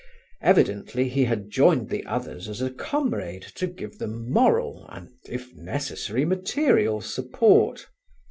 Evidently he had joined the others as a comrade to give them moral, and if necessary material, support.